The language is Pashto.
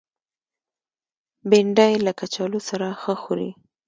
بېنډۍ له کچالو سره ښه خوري